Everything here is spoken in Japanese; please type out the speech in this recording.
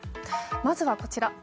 まずはこちら。